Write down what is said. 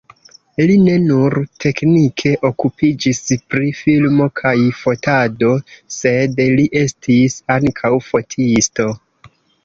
Li ne nur teknike okupiĝis pri filmo kaj fotado, sed li estis ankaŭ fotisto.